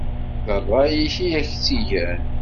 D ṛṛay-ik i ak-tt-igan.